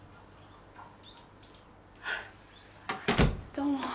どうも。